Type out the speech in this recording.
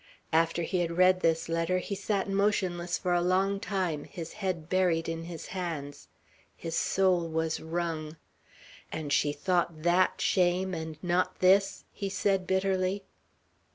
After he had read this letter, he sat motionless for a long time, his head buried in his hands. His soul was wrung. "And she thought that shame, and not this!" he said bitterly.